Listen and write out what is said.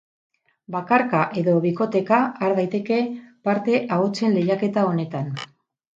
Bakarka edo bikoteka har daiteke parte ahotsen lehiaketa honetan.